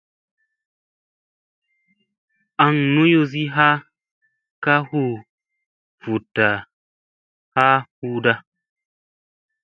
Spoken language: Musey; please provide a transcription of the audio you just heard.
Aŋ noyozi ha ka huu vutta a hu da.